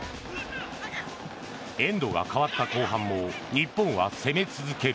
エンドが変わった後半も日本は攻め続ける。